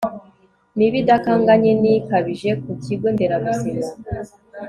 mibi idakanganye ni kabije ku kigo nderabuzima